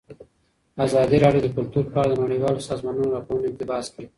ازادي راډیو د کلتور په اړه د نړیوالو سازمانونو راپورونه اقتباس کړي.